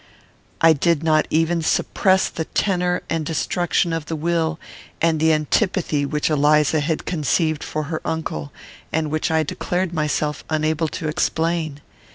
I did not even suppress the tenor and destruction of the will, and the antipathy which Eliza had conceived for her uncle, and which I declared myself unable to explain.